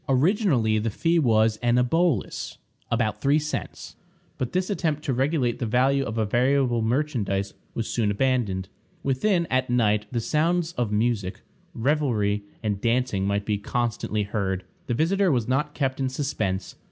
Originally the fee was an obolus about three cents; but this attempt to regulate the value of a variable merchandise was soon abandoned. Within, at night, the sounds of music, revelry, and dancing might be constantly heard. The visitor was not kept in suspense.